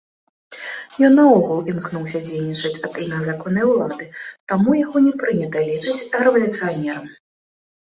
Ён наогул імкнуўся дзейнічаць ад імя законнай улады, таму яго не прынята лічыць рэвалюцыянерам.